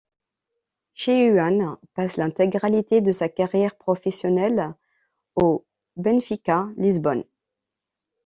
Shéu Han passe l’intégralité de sa carrière professionnelle au Benfica Lisbonne.